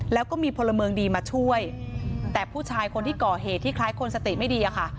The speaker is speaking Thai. แล้วก็มีพลเมืองดีมาช่วยแต่ผู้ชายคนที่ก่อเหตุที่คล้ายคนสติไม่ดีอะค่ะ